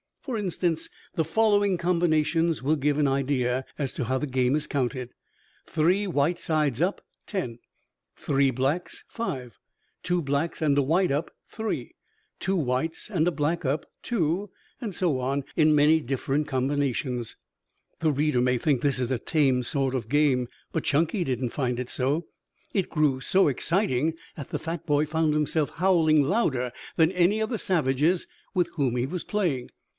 For instance, the following combinations will give an idea as to how the game is counted: Three white sides up, 10; three blacks, 5; two blacks and a white up, 3; two whites and a black up, 2, and so on in many different combinations. The reader may think this a tame sort of game, but Chunky didn't find it so. It grew so exciting that the fat boy found himself howling louder than any of the savages with whom he was playing.